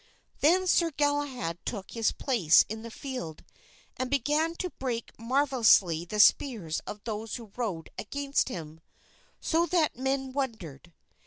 Then Sir Galahad took his place in the field and began to break marvelously the spears of those who rode against him, so that men wondered.